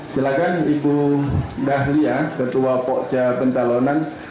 silakan ibu dahlia ketua poc jalur pentalonan